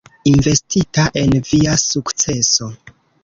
Investita en via sukceso.